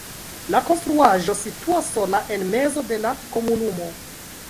La konstruaĵo situas sola en mezo de la komunumo.